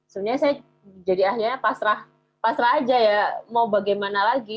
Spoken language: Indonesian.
sebenarnya saya jadi akhirnya pasrah pasrah aja ya mau bagaimana lagi